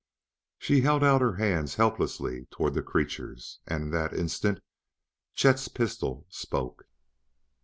She held out her hands helplessly toward the creatures and in that instant Chet's pistol spoke.